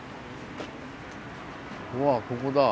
うわここだ。